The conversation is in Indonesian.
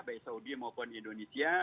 baik saudi maupun indonesia